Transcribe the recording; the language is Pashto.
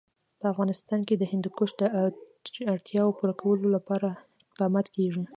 په افغانستان کې د هندوکش د اړتیاوو پوره کولو لپاره اقدامات کېږي.